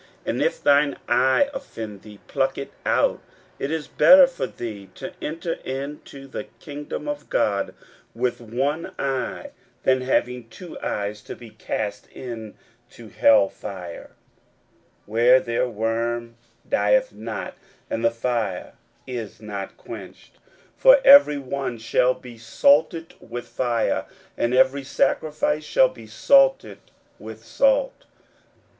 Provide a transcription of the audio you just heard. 41:009:047 And if thine eye offend thee, pluck it out: it is better for thee to enter into the kingdom of God with one eye, than having two eyes to be cast into hell fire: 41:009:048 Where their worm dieth not, and the fire is not quenched. 41:009:049 For every one shall be salted with fire, and every sacrifice shall be salted with salt.